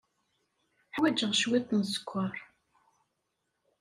Ḥwajeɣ cwiṭ n sskeṛ.